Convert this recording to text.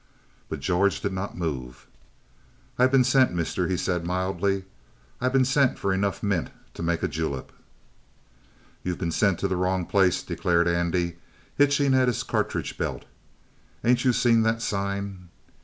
Big George did not move. "I been sent, mister," he said mildly. "I been sent for enough mint to make a julep." "You been sent to the wrong place," declared Andy, hitching at his cartridge belt. "Ain't you seen that sign?"